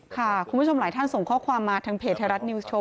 คุณผู้ชมหลายท่านส่งข้อความมาทางเพจไทยรัฐนิวสโว